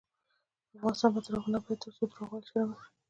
افغانستان تر هغو نه ابادیږي، ترڅو درواغ ویل شرم وي.